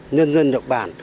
nhân dân được bàn